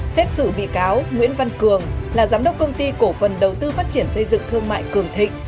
xét xử bị cáo nguyễn văn cường là giám đốc công ty cổ phần đầu tư phát triển xây dựng thương mại cường thịnh